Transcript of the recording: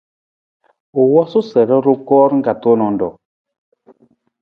U wosu sa i ru koor ka tuunang ruu.